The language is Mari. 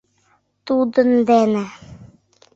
«Тудын дене».